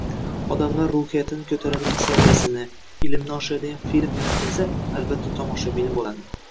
Odamlar ruhiyatini ko‘taradigan, saviyasini, ilmini oshiradigan film yaratilsa, albatta, tomoshabini bo‘ladi